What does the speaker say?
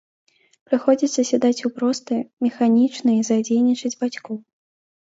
Прыходзіцца сядаць у просты, механічны і задзейнічаць бацькоў.